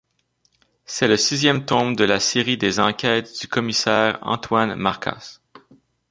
C'est le sixième tome de la série des enquêtes du commissaire Antoine Marcas.